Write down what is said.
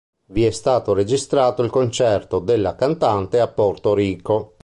Vi è stato registrato il concerto della cantante a Porto Rico.